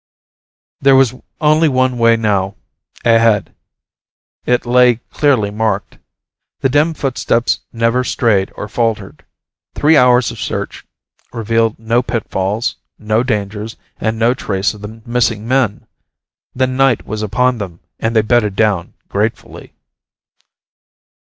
There was only one way now ahead. It lay clearly marked. The dim footsteps never strayed or faltered. Three hours of search revealed no pitfalls, no dangers, and no trace of the missing men. Then night was upon them and they bedded down gratefully.